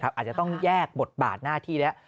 อาจจะต้องแยกบทบาทหน้าที่แล้ว